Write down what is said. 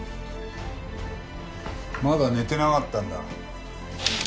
まだ寝てなかったんだ。